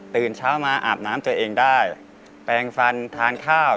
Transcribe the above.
ตื่นเช้ามาอาบน้ำตัวเองได้แปลงฟันทานข้าว